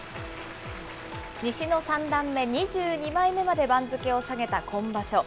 西の三段目２２枚目まで番付を下げた今場所。